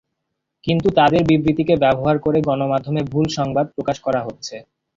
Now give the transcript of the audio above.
কিন্তু তাঁদের বিবৃতিকে ব্যবহার করে গণমাধ্যমে ভুল সংবাদ প্রকাশ করা হচ্ছে।